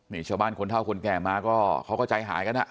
นี่ชาวบ้านคนเท่าคนแก่มาก็เขาก็ใจหายกันอ่ะ